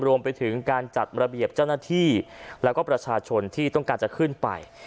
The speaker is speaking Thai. รวมไปถึงการจัดระเบียบเจ้าหน้าที่แล้วก็ประชาชนที่ต้องการจะขึ้นไป